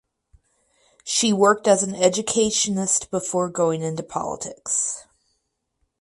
She worked as an educationist before going into politics.